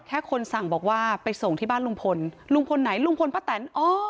คนสั่งบอกว่าไปส่งที่บ้านลุงพลลุงพลไหนลุงพลป้าแตนอ๋อ